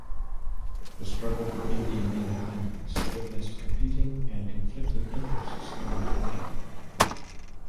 The struggle for Indian independence witnessed competing and conflicting interests in the Punjab.